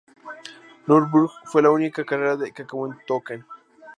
Nürburgring fue la única carrera que acabó un Token.